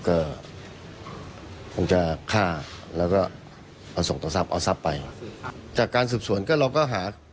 ก็คงจะฆ่าแล้วก็เอาส่งต่อทรัพย์เอาทรัพย์ไปจากการสืบสวนก็เราก็หา